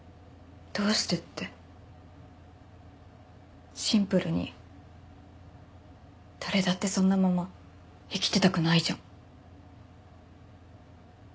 どうしてってシンプルに誰だってそんなまま生きてたくないじゃん。